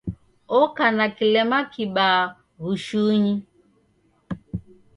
Oka na kilema kibaa w'ushunyi.